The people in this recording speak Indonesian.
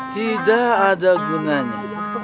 tidak ada gunanya